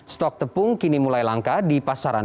stok tepung kini mulai langka di pasaran